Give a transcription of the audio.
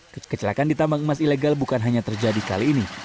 kecelakaan di tambang emas ilegal bukan hanya terjadi kali ini